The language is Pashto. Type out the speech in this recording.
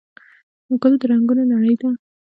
ګل د رنګونو نړۍ ده.